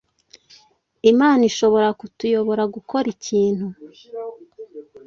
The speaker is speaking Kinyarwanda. Imana ishobora kutuyobora gukora ikintu